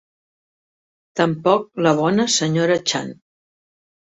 Tampoc la bona Sra. Chan.